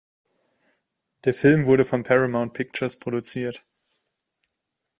Der Film wurde von Paramount Pictures produziert.